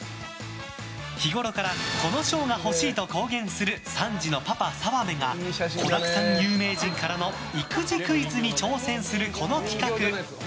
日ごろからこの賞が欲しいと公言する３児のパパ、澤部が子だくさん有名人からの育児クイズに挑戦する、この企画。